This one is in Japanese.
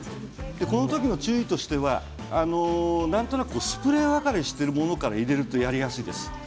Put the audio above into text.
この時の注意としてはスプレー分かれしてるものからやるとやりやすいです。